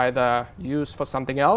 thường khi gặp